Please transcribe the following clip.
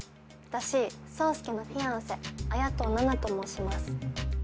私宗介のフィアンセ綾藤奈々と申します。